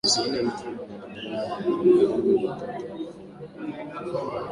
wengi huamua kuishi bila kupima virusi vya ukimwi